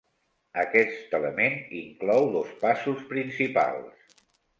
Aquest element inclou dos passos principals.